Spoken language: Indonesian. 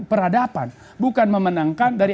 peradaban bukan memenangkan dari